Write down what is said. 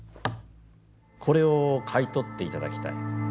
これを買い取っていただきたい。